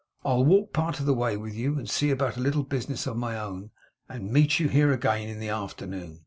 I'll walk part of the way with you; and see about a little business of my own, and meet you here again in the afternoon.